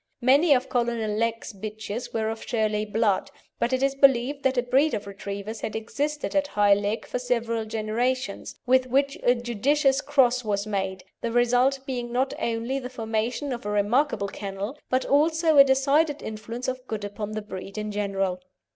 Many of Colonel Legh's bitches were of Shirley blood, but it is believed that a breed of Retrievers had existed at High Legh for several generations, with which a judicious cross was made, the result being not only the formation of a remarkable kennel, but also a decided influence for good upon the breed in general.